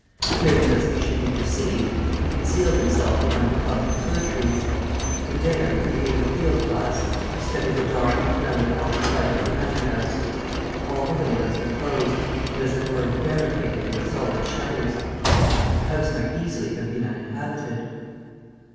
Fearing lest he should be perceived, he concealed himself behind a clump of fir trees. From there, with the aid of a field glass, he studied the dark and melancholy front of the manor house. All the windows were closed and, as it were, barricaded with solid shutters. The house might easily have been uninhabited.